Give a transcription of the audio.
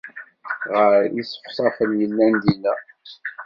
Ɣer iṣefṣafen yellan dinna.